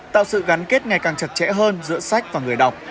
tạo sự gắn kết ngày càng chặt chẽ hơn giữa sách và người đọc